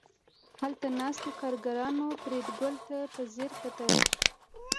هلته ناستو کارګرانو فریدګل ته په ځیر کتل